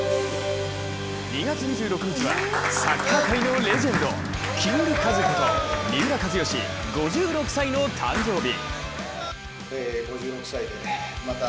２月２６日はサッカー界のレジェンドキングカズこと三浦知良５６歳の誕生日。